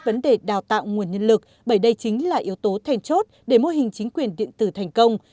vấn đề đào tạo nguồn nhân lực bởi đây chính là yếu tố thèn chốt để mô hình chính quyền điện tử thành công